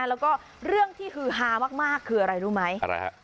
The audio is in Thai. แล้วก็เรื่องที่ฮือฮามากคืออะไรรู้ไหมอะไรฮะ